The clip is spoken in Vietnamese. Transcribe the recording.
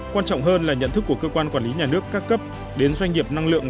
quan trọng hơn là nhận thức của cơ quan quản lý nhà nước ca cấp đến doanh nghiệp năng lượng